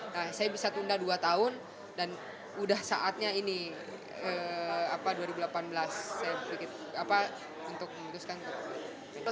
nah saya bisa tunda dua tahun dan udah saatnya ini dua ribu delapan belas saya pikir untuk memutuskan